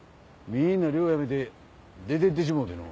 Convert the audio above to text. みんな漁辞めて出て行ってしもうての。